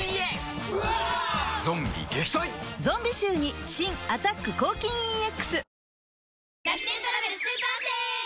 ゾンビ臭に新「アタック抗菌ＥＸ」